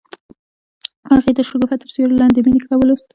هغې د شګوفه تر سیوري لاندې د مینې کتاب ولوست.